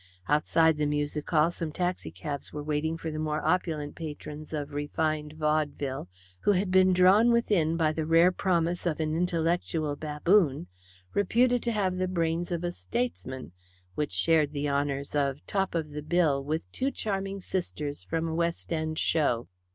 Outside the music hall some taxi cabs were waiting for the more opulent patrons of refined vaudeville who had been drawn within by the rare promise of an intellectual baboon, reputed to have the brains of a statesman, which shared the honours of "the top of the bill" with two charming sisters from a West End show.